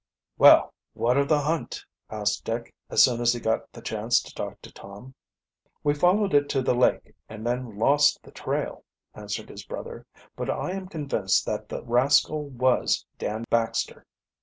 "Well, what of the hunt," asked Dick, as soon as he got the chance to talk to Tom. "We followed it to the lake and then lost the trail," answered his brother. "But I am convinced that the rascal was Dan Baxter."